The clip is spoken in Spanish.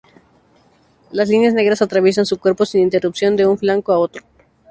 Las líneas negras atraviesan su cuerpo sin interrupción de un flanco a otro.